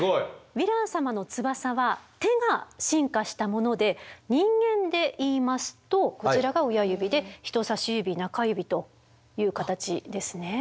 ヴィラン様の翼は手が進化したもので人間で言いますとこちらが親指で人差し指中指という形ですね。